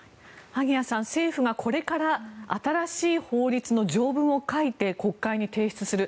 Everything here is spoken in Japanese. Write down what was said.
萩谷さん、政府がこれから新しい法律の条文を書いて国会に提出する。